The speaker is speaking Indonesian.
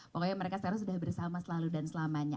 pokoknya mereka sekarang sudah bersama selalu dan selamanya